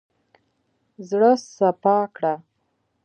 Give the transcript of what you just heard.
زړه سپا کړه.